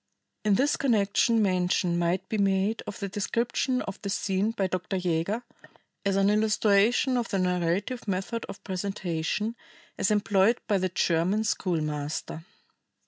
In this connection mention might be made of the description of this scene by Dr. Jaeger as an illustration of the narrative method of presentation as employed by the German schoolmaster.